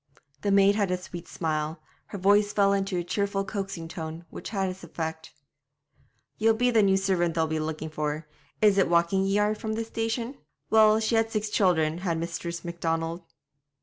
The maid had a sweet smile; her voice fell into a cheerful coaxing tone, which had its effect. 'Ye'll be the new servant they'll be looking for. Is it walking ye are from the station? Well, she had six children, had Mistress Macdonald.'